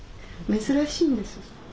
珍しいんです。